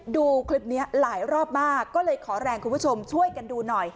ดูคลิปนี้หลายรอบมากก็เลยขอแรงคุณผู้ชมช่วยกันดูหน่อย